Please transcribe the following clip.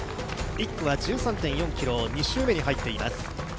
一区は１３．４ｋｍ、２周目に入っています。